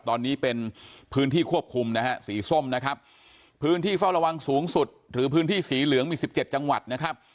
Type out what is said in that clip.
ตอนนี้เป็นพื้นที่ควบคุมนะฮะสีส้มนะครับพื้นที่เฝ้าระวังสูงสุดหรือพื้นที่สีเหลืองมีสิบเจ็ดจังหวัดนะครับ